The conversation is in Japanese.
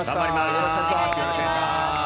よろしくお願いします。